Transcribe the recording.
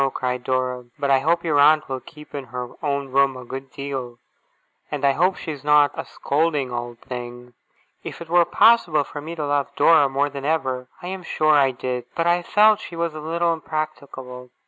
cried Dora. 'But I hope your aunt will keep in her own room a good deal. And I hope she's not a scolding old thing!' If it were possible for me to love Dora more than ever, I am sure I did. But I felt she was a little impracticable.